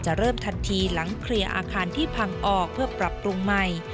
เริ่มทันทีหลังเคลียร์อาคารที่พังออกเพื่อปรับปรุงใหม่